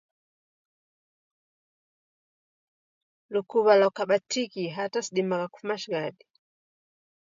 Lukuw'a lwakaba tiki hata sidimagha kufuma shighadi